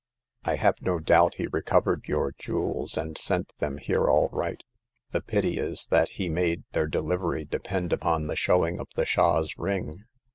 I have no doubt he recovered your jewels, and sent them here all right. The pity is that he made their delivery depend upon the showing of the Shah's ring.